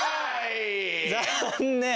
残念！